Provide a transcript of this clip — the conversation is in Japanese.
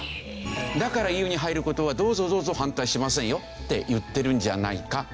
だからＥＵに入る事は「どうぞどうぞ反対しませんよ」って言ってるんじゃないか。